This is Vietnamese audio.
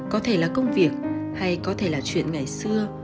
có thể là công việc hay có thể là chuyện ngày xưa